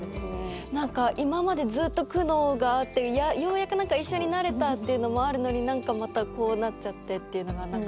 なんか今までずっと苦悩があってようやくなんか一緒になれたっていうのもあるのになんかまたこうなっちゃってっていうのがなんか。